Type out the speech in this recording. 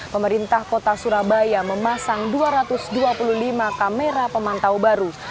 pemerintah kota surabaya memasang dua ratus dua puluh lima kamera pemantau baru